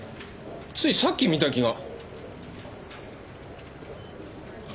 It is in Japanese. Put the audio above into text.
ついさっき見た気が。